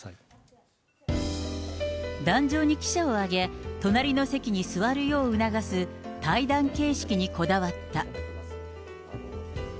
壇上に記者を上げ、隣の席に座るよう促す対談形式にこだわった。